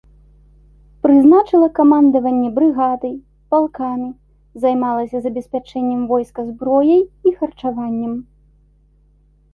Прызначыла камандаванне брыгадай, палкамі, займалася забеспячэннем войска зброяй і харчаваннем.